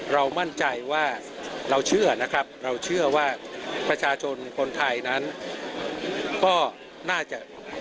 เรามั่นใจว่าเราเชื่อนะครับเราเชื่อว่าประชาชนคนไทยนั้นก็น่าจะ